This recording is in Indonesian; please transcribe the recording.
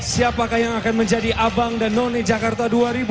siapakah yang akan menjadi abang dan none jakarta dua ribu dua puluh